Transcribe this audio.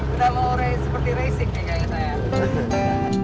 udah lore seperti racing nih kayaknya saya